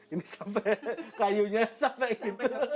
ini sampai kayunya sampai ini